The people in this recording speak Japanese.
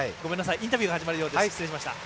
インタビューが始まるようです。